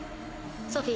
ソフィ。